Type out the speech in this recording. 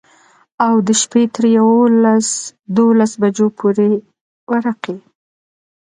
او د شپي تر يوولس دولسو بجو پورې ورقې.